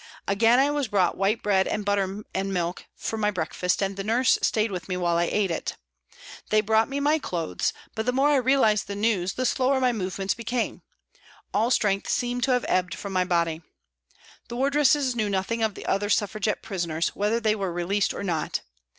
Again I was brought white bread and butter and milk for my breakfast, and the " nurse " stayed with me while I ate it. They brought me my clothes, but the more I realised the news the slower my movements became ; all strength seemed to have ebbed from my body. The wardresses knew nothing of the other Suffragette prisoners, whether they were released or not.